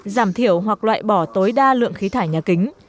giảm thiểu hoặc loại bỏ tối đa lượng khí thải nhà kính